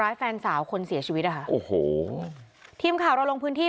แฟนสาวคนเสียชีวิตนะคะโอ้โหทีมข่าวเราลงพื้นที่